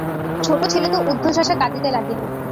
ছোটো ছেলে তো ঊর্ধ্বশ্বাসে কাঁদিতে লাগিল।